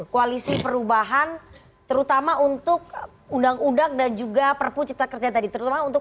koalisi perubahan terutama untuk undang undang dan juga perpu cipta kerja tadi terutama untuk